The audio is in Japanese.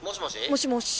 もしもし。